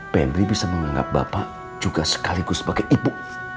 penrry bisa menganggap bapak juga sekaligus sebagai ibu